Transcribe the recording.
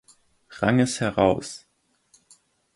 Ranges heraus.